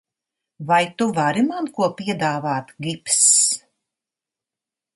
Vai tu vari man ko piedāvāt, Gibss?